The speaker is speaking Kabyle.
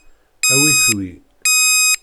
Awit wi.